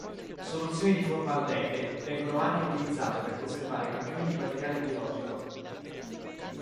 Soluzioni di formaldeide vengono anche utilizzate per conservare campioni di materiale biologico.